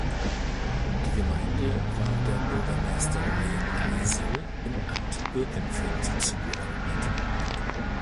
Die Gemeinde war der Bürgermeisterei Leisel im Amt Birkenfeld zugeordnet.